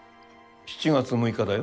７月６日だよ。